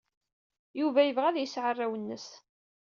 Yuba yebɣa ad yesɛu arraw-nnes.